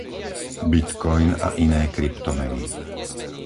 Bitcoin a iné kryptomeny